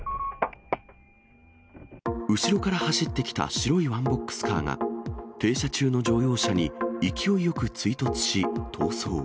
後ろから走ってきた白いワンボックスカーが停車中の乗用車に勢いよく追突し、逃走。